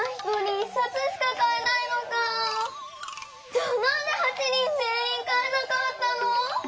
じゃあなんで８人ぜんいんかえなかったの？